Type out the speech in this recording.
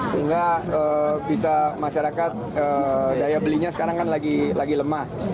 sehingga bisa masyarakat daya belinya sekarang kan lagi lemah